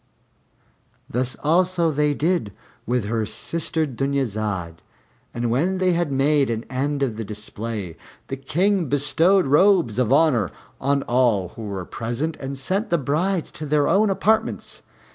Thus also they did with her sister Dunyazad; and when they had made an end of the display, the King bestowed robes of honor on all who were present, and sent the brides to their own apartments.